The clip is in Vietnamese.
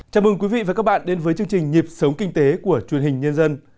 chào mừng quý vị và các bạn đến với chương trình nhịp sống kinh tế của truyền hình nhân dân